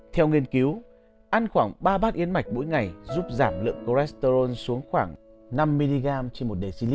theo nghiên cứu ăn khoảng ba bát yến mạch mỗi ngày giúp giảm lượng cholesterol xuống khoảng năm mg trên một đề sinh